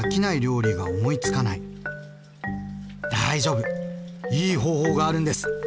大丈夫いい方法があるんです。